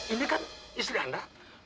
ini kan istri anda